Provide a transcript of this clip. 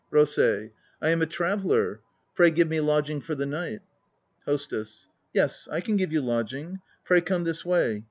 ROSEI. I am a traveller; pray give me lodging for the night. HOSTESS. Yes, I can give you lodging; pray come this way. ...